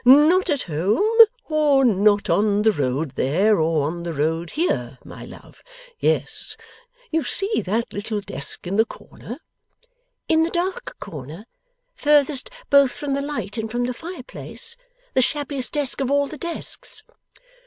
'Not at home, or not on the road there, or on the road here, my love. Yes. You see that little desk in the corner?' 'In the dark corner, furthest both from the light and from the fireplace? The shabbiest desk of all the desks?